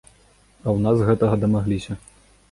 А ў нас гэтага дамагліся.